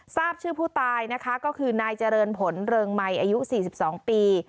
ทราบชื่อผู้ตายนะคะก็คือนายเจริญผลเริงใหม่อายุสี่สิบสองปี